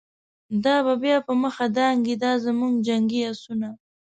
دا به بیا په مخه دانګی، دازموږ جنګی آسونه